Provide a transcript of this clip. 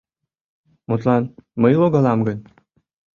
— Мутлан, мый логалам гын?